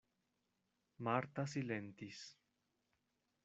Marta silentis.